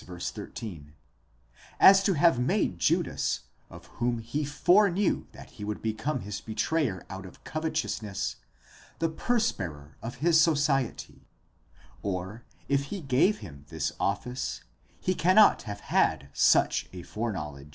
13), as to have made Judas, of whom he foreknew that he would become his betrayer out of covetousness, the purse bearer of his society; or, if he gave him this office, he cannot have had such a foreknowledge.